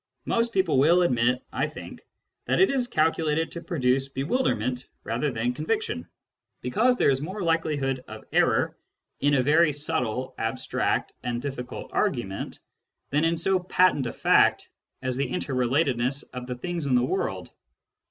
Most people will admit, I think, that it is calculated to produce bewilderment rather than convic tion, because there is more likelihood of error in a very subtle, abstract, and diflicult argument than in so patent a fact as the interrelatedness of the things in the world.